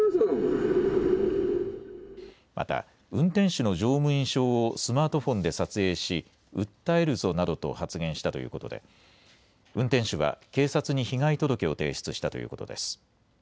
また、運転手の乗務員証をスマートフォンで撮影し、訴えるぞなどと発言したということで、運転手は警察に被害届を提出したということです。